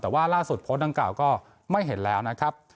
แต่ว่าล่าสุดโพสต์ดังกล่าวก็ไม่เห็นแล้วนะครับ